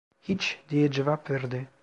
"Hiç!" diye cevap verdi.